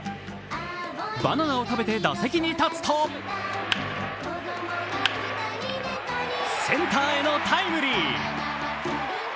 バナナを食べて打席に立つとセンターへのタイムリー。